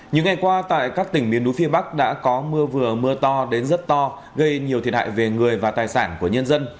những ngày qua tại các tỉnh miền núi phía bắc đã có mưa vừa mưa to đến rất to gây nhiều thiệt hại về người và tài sản của nhân dân